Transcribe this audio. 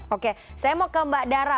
oke saya mau ke mbak dara